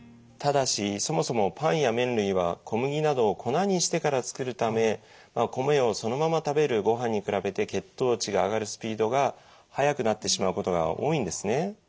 ただしそもそもパンやめん類は小麦などを粉にしてから作るため米をそのまま食べるご飯に比べて血糖値が上がるスピードが速くなってしまうことが多いんですね。